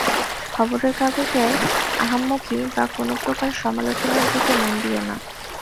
খবরের কাগজের আহাম্মকি বা কোন প্রকার সমালোচনার দিকে মন দিও না।